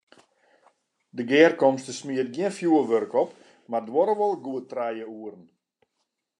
De gearkomste smiet gjin fjoerwurk op, mar duorre wol goed trije oeren.